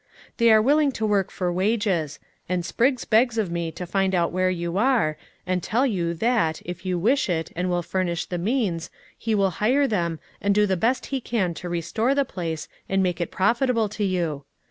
"They are willing to work for wages, and Spriggs begs of me to find out where you are, and tell you that, if you wish it and will furnish the means, he will hire them, and do the best he can to restore the place and make it profitable to you.